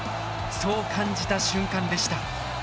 そう感じた瞬間でした。